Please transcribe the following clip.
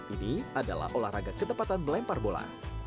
ini adalah olahraga ketepatan melempar bola